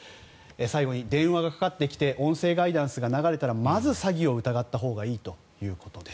最後に電話がかかってきて音声ガイダンスが流れたらまず詐欺を疑ったほうがいいということです。